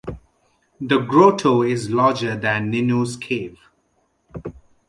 The grotto is larger than Ninu's Cave.